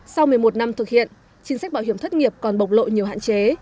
sau một mươi một năm thực hiện chính sách bảo hiểm thất nghiệp còn bộc lộ nhiều hạn chế